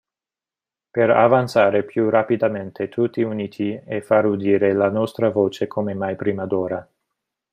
Per avanzare più rapidamente tutti uniti e far udire la nostra voce come mai prima d'ora.